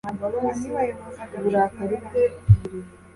ku manywa ibayoboza agacu kererana